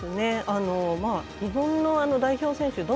日本の代表選手